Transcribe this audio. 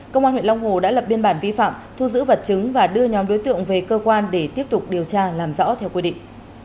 công an huyện long hồ đã lập biên bản vi phạm thu giữ vật chứng và đưa nhóm đối tượng về cơ quan để tiếp tục điều tra làm rõ theo quy định